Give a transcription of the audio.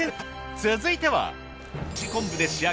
続いては。